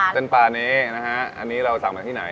เส้นปลานี้นะฮะอันนี้เราสั่งมาที่ไหน